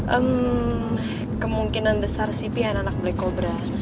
ehm kemungkinan besar sih pi anak anak black cobra